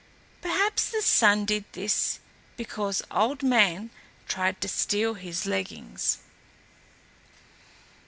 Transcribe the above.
Perhaps the Sun did this because Old Man tried to steal his leggings.